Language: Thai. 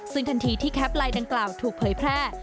ซึ่งทันทีที่แคปไลน์ดังกล่าวถูกเผยแพร่